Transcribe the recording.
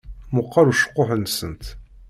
Meqqeṛ ucekkuḥ-nsent.